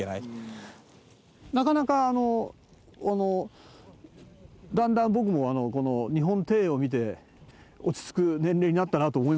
なかなかだんだん僕もこの日本庭園を見て落ち着く年齢になったなと思いますよ。